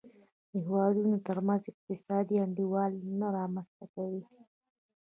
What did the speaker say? د هېوادونو ترمنځ اقتصادي انډول نه رامنځته کوي.